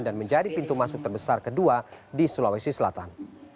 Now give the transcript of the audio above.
dan menjadi pintu masuk terbesar kedua di sulawesi selatan